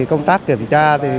công tác kiểm tra